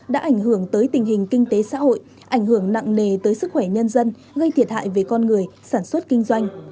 đã ảnh hưởng tới tình hình kinh tế xã hội ảnh hưởng nặng nề tới sức khỏe nhân dân gây thiệt hại về con người sản xuất kinh doanh